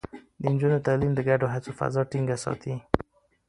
د نجونو تعليم د ګډو هڅو فضا ټينګه ساتي.